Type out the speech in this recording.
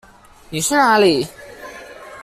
妳去哪裡？